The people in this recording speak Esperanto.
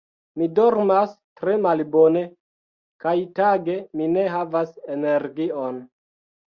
Mi dormas tre malbone, kaj tage mi ne havas energion.